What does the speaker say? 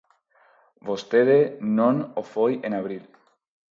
Vostede non o foi en abril.